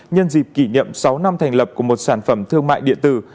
nhân dịp kỷ niệm sáu năm thành lập của một sản phẩm thương mại điện tử